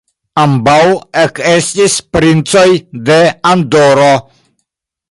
Ambaŭ ekestis princoj de Andoro.